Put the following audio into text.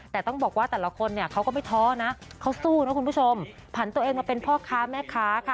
แต่ต้องบอกว่าแต่ละคนเนี่ยเขาก็ไม่ท้อนะเขาสู้นะคุณผู้ชมผันตัวเองมาเป็นพ่อค้าแม่ค้าค่ะ